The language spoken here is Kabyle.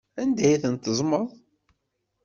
Anda ay ten-teẓẓmeḍ?